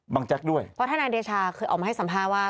บังแจ๊กด้วยเพราะถ้านายเดชาคือออกมาให้สัมภาพว่า